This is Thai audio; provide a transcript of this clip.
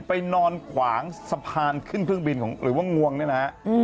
ไปนอนขวางสะพานขึ้นเครื่องบินหน่อยว่าง่วงนะครับ